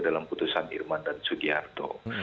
dalam putusan irman dan sugiharto